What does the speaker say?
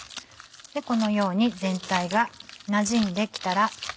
このように全体がなじんできたら。